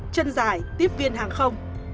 chân dài tiếp viên hàng không